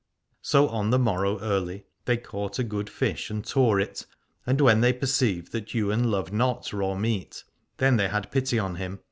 So on the morrow early they caught a good fish and tore it : and when they perceived that Ywain loved not raw meat, then they had pity on him.